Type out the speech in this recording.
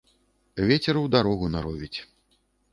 Вецер у дарогу наровіць.